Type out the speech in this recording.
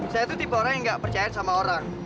saya tuh tipe orang yang gak percaya sama orang